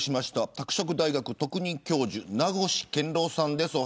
拓殖大学特任教授名越健郎さんです